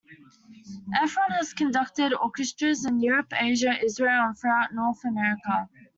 Effron has conducted orchestras in Europe, Asia, Israel, and throughout North America.